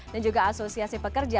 dan juga asosiasi pekerja